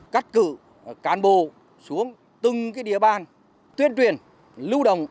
hát cử cán bồ xuống từng địa bàn tuyên truyền lưu đồng